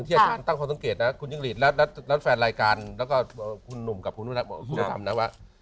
อันนี้ค่าต้องเขาเศร้าใกละคุณคุณฝากแล้วแล้วร้านแรงรายการแล้วก็ป่าเฮียผมกับว่ะ